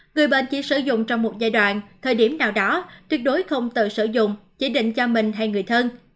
người bệnh chỉ sử dụng trong một giai đoạn thời điểm nào đó tuyệt đối không tự sử dụng chỉ định cho mình hay người thân